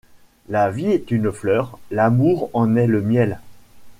La vie est une fleur, l’amour en est le miel.